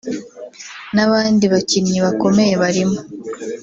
n’abandi bakinnyi bakomeye barimo